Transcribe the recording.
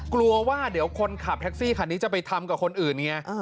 กลัวว่าเดี๋ยวคนขับแท็กซี่คันนี้จะไปทำกับคนอื่นไง